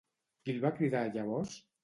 Qui el va criar, llavors?